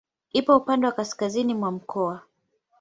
Ipo upande wa kaskazini mwa mkoa.